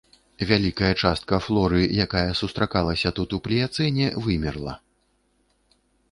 Вялікая частка флоры, якая сустракалася тут у пліяцэне, вымерла.